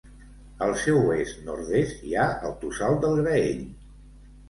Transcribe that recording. Al seu est-nord-est hi ha el Tossal del Graell.